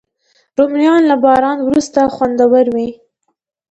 رومیان له باران وروسته خوندور وي